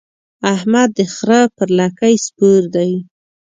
احمد د خره پر لکۍ سپور دی.